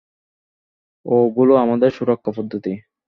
ওগুলো আমাদের সুরক্ষা পদ্ধতি।